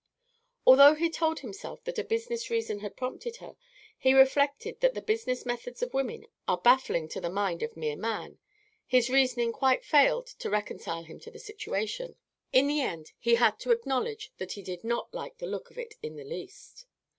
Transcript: Although he told himself that a business reason had prompted her, and reflected that the business methods of women are baffling to the mind of mere man, his reasoning quite failed to reconcile him to the situation. In the end he had to acknowledge that he did not like the look of it in the least.